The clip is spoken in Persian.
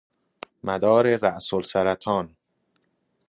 مدار رأس السرطان